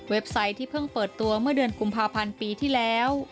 ไซต์ที่เพิ่งเปิดตัวเมื่อเดือนกุมภาพันธ์ปีที่แล้ว